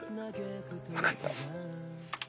分かった。